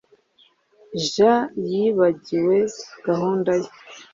Jean yibagiwe gahunda ye